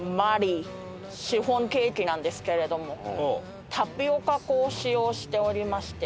シフォンケーキなんですけれどもタピオカ粉を使用しておりまして。